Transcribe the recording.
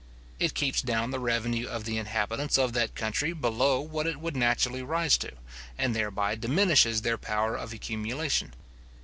It keeps down the revenue of the inhabitants of that country below what it would naturally rise to, and thereby diminishes their power of accumulation.